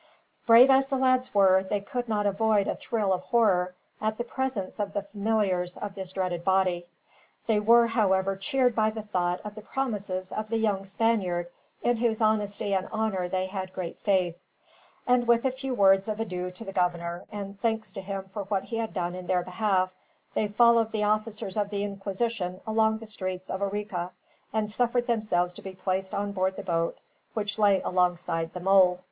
Brave as the lads were, they could not avoid a thrill of horror, at the presence of the familiars of this dreaded body. They were, however, cheered by the thought of the promises of the young Spaniard, in whose honesty and honor they had great faith; and with a few words of adieu to the governor, and thanks to him for what he had done in their behalf, they followed the officers of the Inquisition along the streets of Arica, and suffered themselves to be placed on board the boat, which lay alongside the mole.